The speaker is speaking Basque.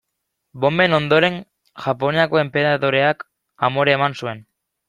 Bonben ondoren, Japoniako enperadoreak amore eman zuen.